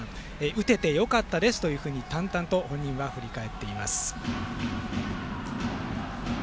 打ててよかったですと淡々と本人は振り返っています。